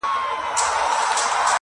کليوال راټولېږي شاوخوا ډېر خلک-